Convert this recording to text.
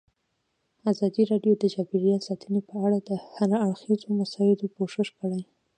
ازادي راډیو د چاپیریال ساتنه په اړه د هر اړخیزو مسایلو پوښښ کړی.